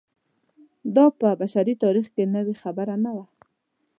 دا په بشري تاریخ کې نوې خبره نه وه.